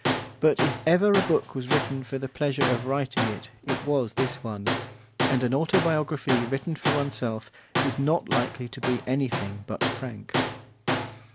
But if ever a book was written for the pleasure of writing it, it was this one; and an autobiography written for oneself is not likely to be anything but frank.